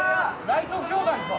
ライト兄弟か！